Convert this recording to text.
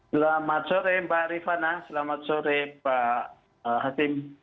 selamat sore mbak rifana selamat sore pak hatim